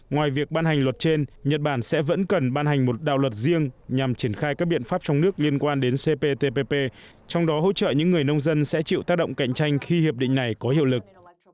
ngoài việc ban hành luật trên nhật bản sẽ vẫn cần ban hành một đạo luật riêng nhằm triển khai các biện pháp trong nước liên quan đến cptpp trong đó hỗ trợ những người nông dân sẽ chịu tác động cạnh tranh khi hiệp định này có hiệu lực